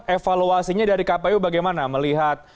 evaluasinya dari kpu bagaimana melihat